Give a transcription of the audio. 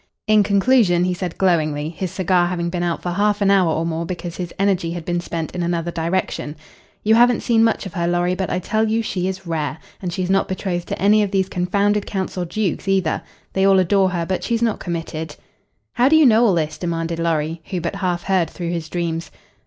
In conclusion he said glowingly, his cigar having been out for half an hour or more because his energy had been spent in another direction. "You haven't seen much of her, Lorry, but I tell you she is rare. And she's not betrothed to any of these confounded counts or dukes either. They all adore her but she's not committed." "How do you know all this?" demanded Lorry, who but half heard through his dreams.